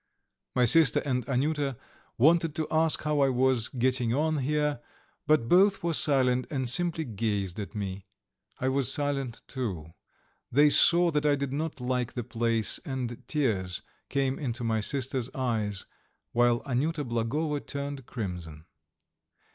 My sister and Anyuta wanted to ask how I was getting on here, but both were silent, and simply gazed at me. I was silent too. They saw that I did not like the place, and tears came into my sister's eyes, while Anyuta Blagovo turned crimson.